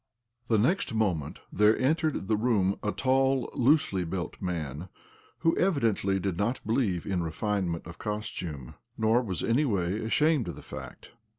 Ill The next moment there entered the room a tall, loosely built man who evidently did not believe in refinement of costume, nor was in any way ashamed of the fact.